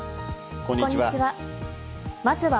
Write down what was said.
こんにちは。